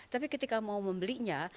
tapi ketika mau membelinya